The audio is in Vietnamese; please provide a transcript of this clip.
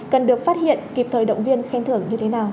cần được phát hiện kịp thời động viên khen thưởng như thế nào